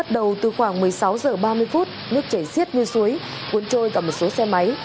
đầu từ khoảng một mươi sáu giờ ba mươi phút nước chảy xiết vươn suối cuốn trôi cả một số xe máy